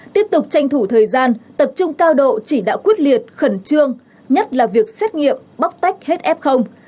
tiếp tục tranh thủ thời gian tập trung cao độ chỉ đạo quyết liệt khẩn trương nhất là việc xét nghiệm bóc tách hết f